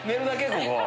ここ。